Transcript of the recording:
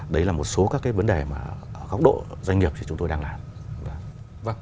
đấy là một số các vấn đề mà ở góc độ doanh nghiệp chúng tôi đang làm